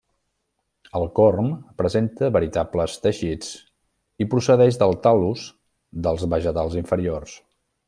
El corm presenta veritables teixits i procedeix del tal·lus dels vegetals inferiors.